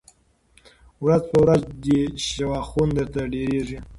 ورځ په ورځ دي شواخون درته ډېرېږی